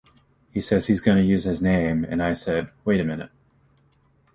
He says he's going to use his name, and I said, 'Wait a minute.